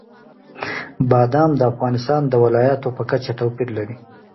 بادام د افغانستان د ولایاتو په کچه توپیر لري.